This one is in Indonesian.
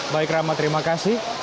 baik ramad terima kasih